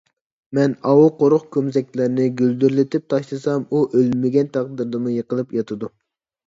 مەن ئاۋۇ قۇرۇق كومزەكلەرنى گۈلدۈرلىتىپ تاشلىسام، ئۇ ئۆلمىگەن تەقدىردىمۇ يىقىلىپ ياتىدۇ.